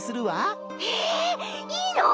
えっいいの！？